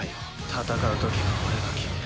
戦う時は俺が決める。